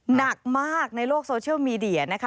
หนักมากในโลกโซเชียลมีเดียนะคะ